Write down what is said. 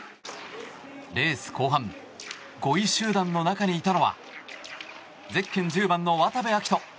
レース後半５位集団の中にいたのはゼッケン１０番の渡部暁斗。